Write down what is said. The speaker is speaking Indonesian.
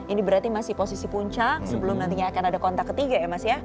ini berarti masih posisi puncak sebelum nantinya akan ada kontak ketiga ya mas ya